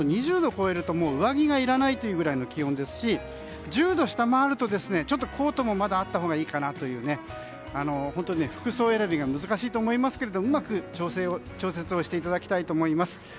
２０度を超えると上着がいらないというくらいの気温ですし１０度を下回ると、コートもまだあったほうがいいかなという本当に服装選びが難しいと思いますがうまく調節をしていただきたいと思います。